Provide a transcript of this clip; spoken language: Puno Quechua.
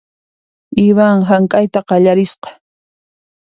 Ivan hank'ayta qallarisqa .